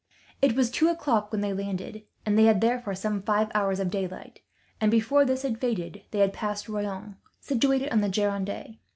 It was two o'clock when they landed, and they had therefore some five hours of daylight; and before this had faded they had passed Royan, situated on the Gironde.